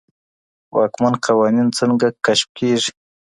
واکمن قوانين څنګه کشف کيږي؟